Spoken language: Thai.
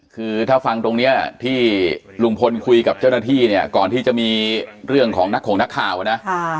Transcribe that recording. คือถ้าฟังตรงเนี้ยที่ลุงพลคุยกับเจ้าหน้าที่เนี่ยก่อนที่จะมีเรื่องของนักของนักข่าวนะ